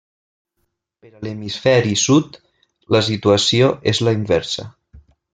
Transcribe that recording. Per a l'hemisferi sud la situació és la inversa.